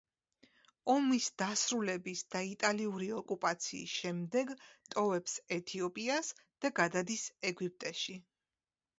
ომის დასრულების და იტალიური ოკუპაციის შემდეგ ტოვებს ეთიოპიას და გადადის ეგვიპტეში.